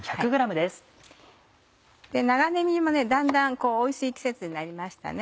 長ねぎもだんだんおいしい季節になりましたね。